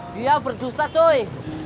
dia berdusta coy